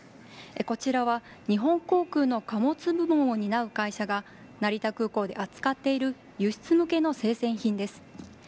こちらは日本航空の貨物部門を担う会社が成田空港で扱っている輸出向けの生鮮品です。